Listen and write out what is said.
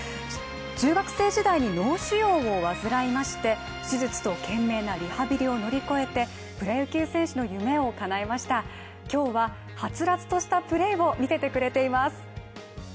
中学生時代に脳腫瘍を患いまして、手術と懸命なリハビリを乗り越えて、プロ野球選手の夢をかなえました今日は、はつらつとしたプレーを見せてくれています。